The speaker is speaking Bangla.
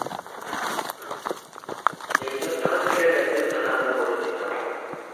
এই যুদ্ধ সিলেটের যুদ্ধ নামে পরিচিত।